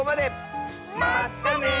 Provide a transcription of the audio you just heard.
まったね！